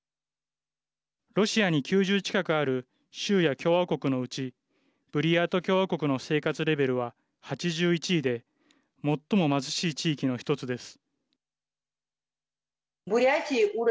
ロシアに９０近くある州や共和国のうちブリヤート共和国の生活レベルは８１位で最も貧しい地域の一つです。